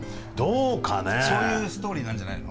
そういうストーリーなんじゃないの？